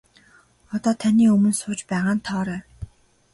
Одоо таны өмнө сууж байгаа нь Тоорой.